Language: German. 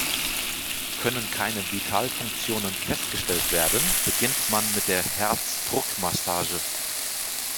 Können keine Vitalfunktionen festgestellt werden, beginnt man mit der Herzdruckmassage.